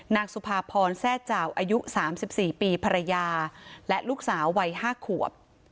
นางสุภาพรแซ่จ่าวอายุสามสิบสี่ปีภรรยาและลูกสาววัยห้าขวบ